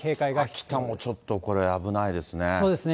秋田もちょっとこれ、危ないですね。